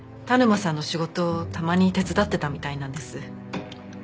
田沼さんの仕事をたまに手伝ってたみたいなんです。